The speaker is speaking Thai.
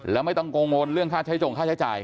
แล้วไม่ต้องกังวลเรื่องค่าใช้จงค่าใช้จ่าย